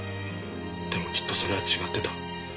でもきっとそれは違ってた。